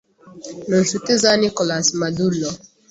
ni inshuti za Nicolás Maduro,